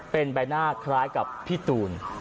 เป็นใบหน้าคล้ายกับพี่ตูน